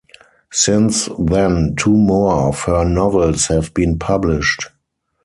Since then two more of her novels have been published.